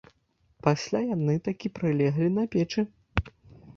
Пасля яны такі прылеглі на печы.